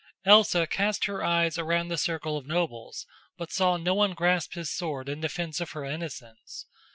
Elsa cast her eyes around the circle of nobles, but saw no one grasp his sword in defense of her innocence.